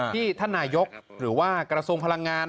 ที่ท่านนายกหรือว่ากระทรวงพลังงาน